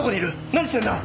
何してんだ？